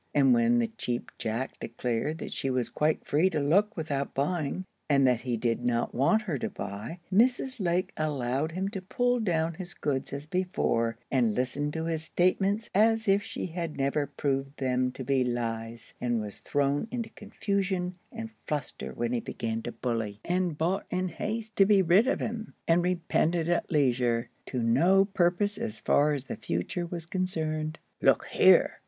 And when the Cheap Jack declared that she was quite free to look without buying, and that he did not want her to buy, Mrs. Lake allowed him to pull down his goods as before, and listened to his statements as if she had never proved them to be lies, and was thrown into confusion and fluster when he began to bully, and bought in haste to be rid of him, and repented at leisure—to no purpose as far as the future was concerned. "Look here!"